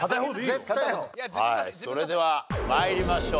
はいそれでは参りましょう。